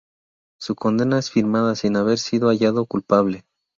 Su condena es firmada sin haber sido hallado culpable.